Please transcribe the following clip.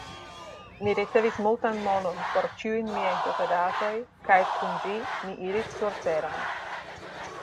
Mi ricevis multan monon por ĉiujn miaj posedaĵoj, kaj kun ĝi, mi iris surteron.